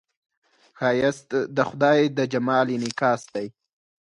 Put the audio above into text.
ښایست د خدای د جمال انعکاس دی